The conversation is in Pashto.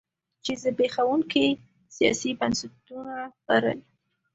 چې زبېښونکي سیاسي بنسټونه لرل.